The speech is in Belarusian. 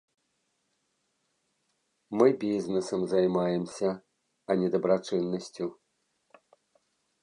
Мы бізнэсам займаемся, а не дабрачыннасцю.